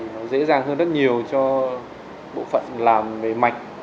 nó dễ dàng hơn rất nhiều cho bộ phận làm về mạch